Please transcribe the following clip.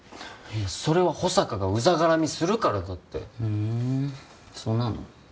それは保坂がウザ絡みするからだってふんそうなの？